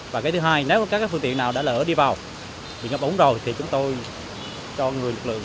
và thứ hai nếu có các phương tiện nào đã lỡ đi vào bị ngập ốm rồi thì chúng tôi cho người lực lượng